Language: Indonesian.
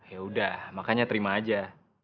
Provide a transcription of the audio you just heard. ya udah makanya terima aja